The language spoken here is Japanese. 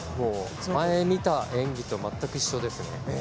前に見た演技と全く一緒ですね。